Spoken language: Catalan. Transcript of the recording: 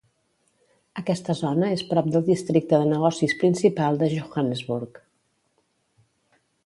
Aquesta zona és prop del districte de negocis principal de Johannesburg.